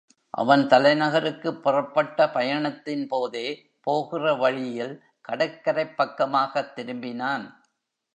அவன் தலைநகருக்குப் புறப்பட்ட பயணத்தின் போதே போகிற வழியில் கடற்கரைப் பக்கமாகத் திரும்பினான்.